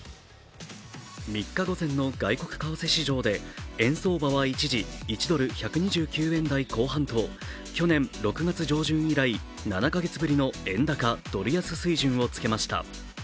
３日午前の外国為替市場で円相場は一時１ドル＝１２９円台後半と去年６月上旬以来７か月ぶりの円高・ドル安水準つけました。